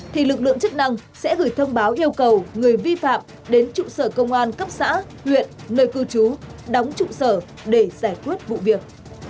thì lực lượng chức năng sẽ gửi thông báo yêu cầu người vi phạm đến trụ sở công an cấp xã huyện nơi cư trú đóng trụ sở để giải quyết vụ việc